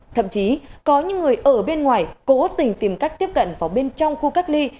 thậm chí có những người ở bên ngoài cố tình tìm cách tiếp cận vào bên trong khu cách ly